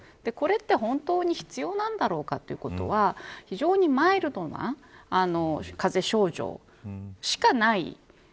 これって本当に必要なんだろうかということは非常にマイルドな風邪症状しかない。